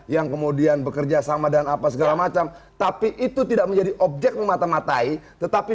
yang kemudian bekerja sama dan apa segala macam tapi itu tidak menjadi objek memata matai tetapi